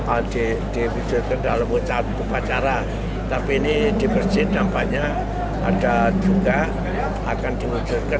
adik diwujudkan dalam ucap pembacara tapi ini dipercaya dampaknya ada juga akan dimujur ke